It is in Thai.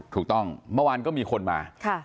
ถูกต้องเมื่อวานก็มีคนมา